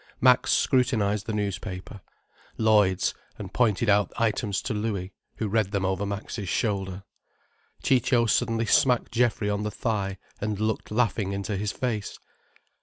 Max scrutinized the newspaper, Lloyds, and pointed out items to Louis, who read them over Max's shoulder, Ciccio suddenly smacked Geoffrey on the thigh, and looked laughing into his face.